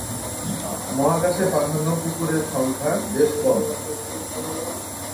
মহাকাশে পাঠানো কুকুরের সংখ্যা বেশ কম।